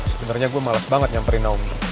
sebenernya gue males banget nyamperin naomi